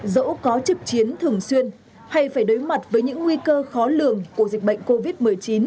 dẫu có trực chiến thường xuyên hay phải đối mặt với những nguy cơ khó lường của dịch bệnh covid một mươi chín